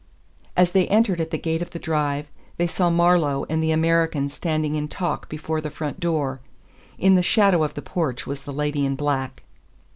As they entered at the gate of the drive they saw Marlowe and the American standing in talk before the front door. In the shadow of the porch was the lady in black.